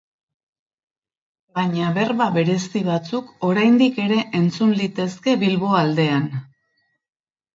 Baina berba berezi batzuk oraindik ere entzun litezke Bilbo aldean.